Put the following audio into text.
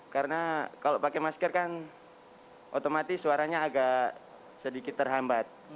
karena kalau pakai masker kan otomatis suaranya agak sedikit terhambat